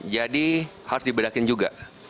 jadi harus diberakin juga